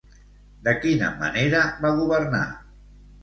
De quina manera va governar?